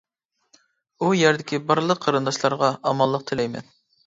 ئۇ يەردىكى بارلىق قېرىنداشلارغا ئامانلىق تىلەيمەن!